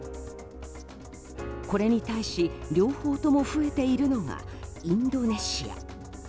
これに対し、両方とも増えているのがインドネシア。